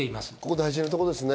大事なところですね。